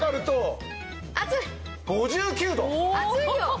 ５９度。